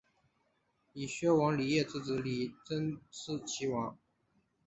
以薛王李业之子李珍嗣岐王。